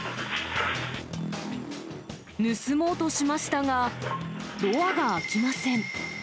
盗もうとしましたが、ドアが開きません。